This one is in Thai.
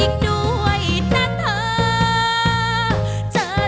ไม่ใช้